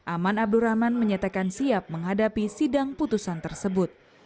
aman abdurrahman menyatakan siap menghadapi sidang putusan tersebut